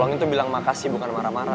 orang itu bilang makasih bukan marah marah